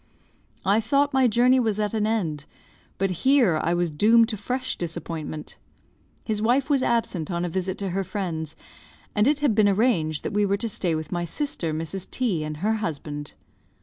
I thought my journey was at an end; but here I was doomed to fresh disappointment. His wife was absent on a visit to her friends, and it had been arranged that we were to stay with my sister, Mrs. T , and her husband.